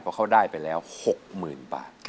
เพราะเขาได้ไปแล้ว๖๐๐๐บาท